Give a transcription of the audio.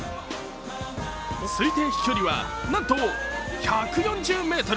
推定飛距離は、なんと１４０ｍ。